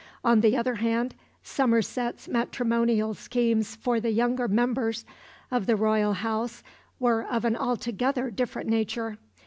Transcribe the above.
On the other hand, Somerset's matrimonial schemes for the younger members of the royal house were of an altogether different nature.